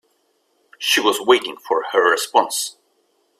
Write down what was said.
She was waiting for her response.